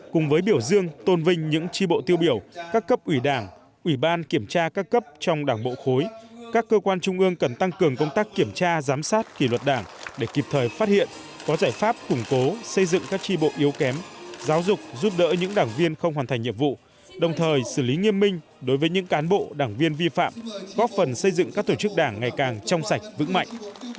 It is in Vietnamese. cùng với biểu dương tôn vinh những tri bộ tiêu biểu các cấp ủy đảng ủy ban kiểm tra các cấp trong đảng bộ khối các cơ quan trung ương cần tăng cường công tác kiểm tra giám sát kỷ luật đảng để kịp thời phát hiện có giải pháp củng cố xây dựng các tri bộ yếu kém giáo dục giúp đỡ những đảng viên không hoàn thành nhiệm vụ đồng thời xử lý nghiêm minh đối với những cán bộ đảng viên vi phạm góp phần xây dựng các tổ chức đảng ngày càng trong sạch vững mạnh